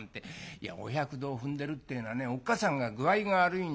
いやお百度を踏んでるってえのはねおっかさんが具合が悪いんだよ。